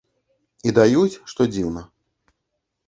І даюць, што дзіўна.